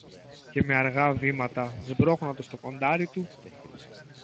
Και με αργά βήματα, σπρώχνοντας το κοντάρι του